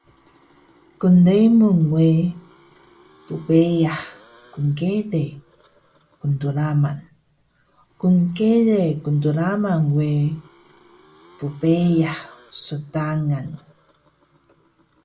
Knremun we ppeyah knkere pntlaman. Knkere pntlaman we ppeyah sntangan